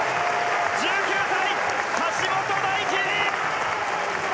１９歳、橋本大輝！